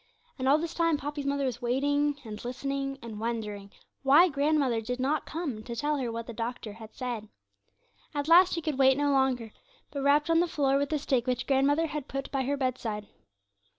And all this time Poppy's mother was waiting, and listening, and wondering why grandmother did not come to tell her what the doctor had said. At last she could wait no longer, but rapped on the floor with the stick which grandmother had put by her bedside.